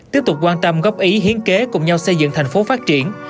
tiếp tục quan tâm góp ý hiến kế cùng nhau xây dựng thành phố phát triển